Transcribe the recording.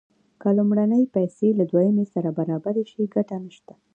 که لومړنۍ پیسې له دویمې سره برابرې شي ګټه نشته